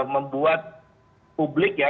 membuat publik ya